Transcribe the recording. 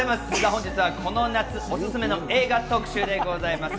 本日はこの夏おすすめの映画特集でございます。